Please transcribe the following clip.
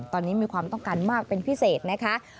ตอนนี้มีความต้องการมากเป็นพิเศษนะคะ